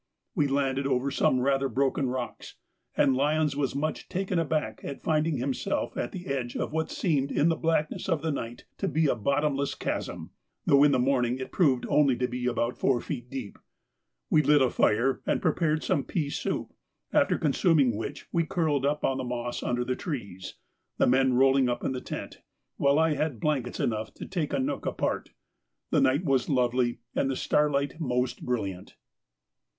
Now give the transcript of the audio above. We landed over some rather broken rocks, and Lyons was much taken aback at finding himself at the edge of what seemed in the blackness of the night to be a bottomless chasm, though in the morning it proved to be only about four feet deep. We lit a fire and prepared some pea soup, after consuming which we curled up on the moss under the trees, the men rolling up in the tent, while I had blankets enough to take a nook apart. The night was lovely and the starlight most brilliant.